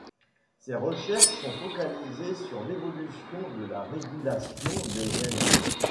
Ses recherches sont focalisées sur l'évolution de la régulation des gènes.